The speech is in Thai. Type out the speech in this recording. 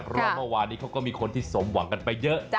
เพราะว่าเมื่อวานนี้เขาก็มีคนที่สมหวังกันไปเยอะ